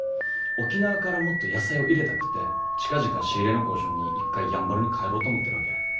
沖縄からもっと野菜を入れたくて近々仕入れの交渉に一回やんばるに帰ろうと思ってるわけ。